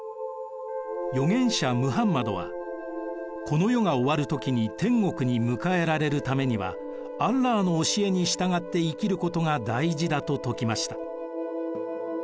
預言者ムハンマドはこの世が終わる時に天国に迎えられるためにはアッラーの教えに従って生きることが大事だと説きました。